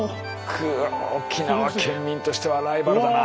く沖縄県民としてはライバルだな。